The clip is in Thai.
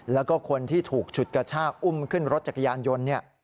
แล้วก็คนที่ถูกฉุดกระชากอุ้มขึ้นรถจักรยานยนต์เนี่ย